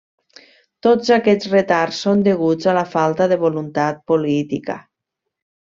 Tots aquests retards són deguts a la falta de voluntat política.